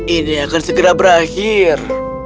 ini akan segera berakhir